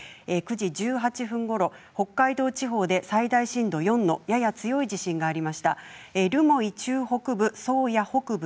９時１８分ごろ北海道地方で最大震度４のやや強い地震がありました。